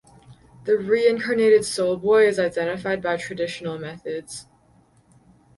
The reincarnated soul boy is identified by traditional methods.